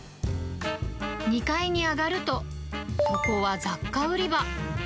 ２階に上がると、そこは雑貨売り場。